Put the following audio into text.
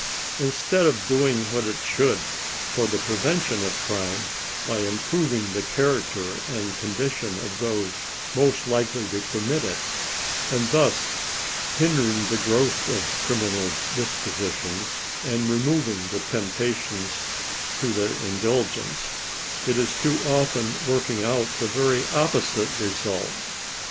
Instead of doing what it should for the prer vention of crime, by improving the character and condition of those most likely to commit it, and thus hindering the growth of criminal dispositions, and removing the temptations to their indulgence, it is too often working out the very opposite results.